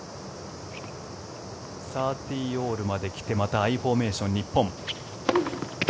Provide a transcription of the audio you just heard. ３０−３０まで来てまたアイフォーメーション日本。